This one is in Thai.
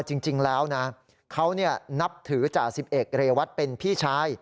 จริงแล้วนะเขานับถือจ่าสิบเอกเรวัตเป็นพี่ชาย